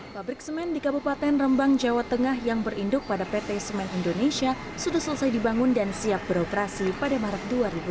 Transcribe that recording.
pabrik semen di kabupaten rembang jawa tengah yang berinduk pada pt semen indonesia sudah selesai dibangun dan siap beroperasi pada maret dua ribu dua puluh